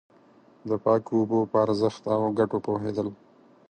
د پاکو اوبو په ارزښت او گټو پوهېدل.